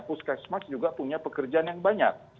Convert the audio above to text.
puskesmas juga punya pekerjaan yang banyak